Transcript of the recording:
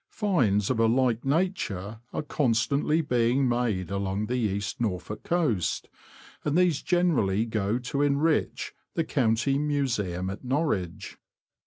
Finds of a like nature are constantly being made along the East Norfolk coast, and these generally go to enrich the County Museum at Norwich.